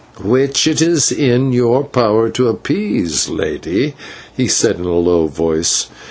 "Which it is in your power to appease, lady," he said in a low voice.